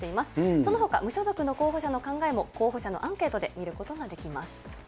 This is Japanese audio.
そのほか、無所属の候補者の考えも候補者のアンケートで見ることができます。